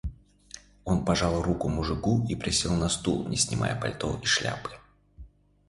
Он пожал руку мужику и присел на стул, не снимая пальто и шляпы.